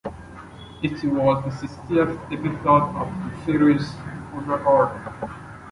It was the sixtieth episode of the series overall.